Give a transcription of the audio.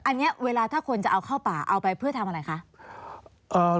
อันนี้เวลาถ้าคนจะเอาเข้าป่าเอาไปเพื่อทำอะไรคะ